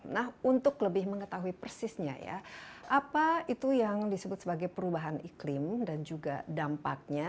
nah untuk lebih mengetahui persisnya ya apa itu yang disebut sebagai perubahan iklim dan juga dampaknya